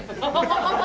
ハハハハ！